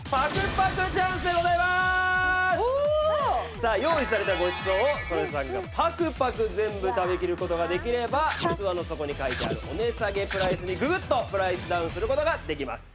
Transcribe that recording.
さあ用意されたごちそうを曽根さんがパクパク全部食べきる事ができれば器の底に書いてあるお値下げプライスにググッとプライスダウンする事ができます。